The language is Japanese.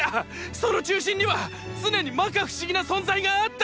その中心には常に摩訶不思議な存在があった！！